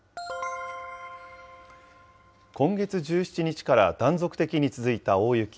今月１７日から断続的に続いた大雪。